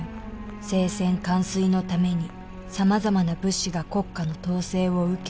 聖戦完遂のために様々な物資が国家の統制を受け